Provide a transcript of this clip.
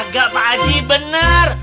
gak pak haji benar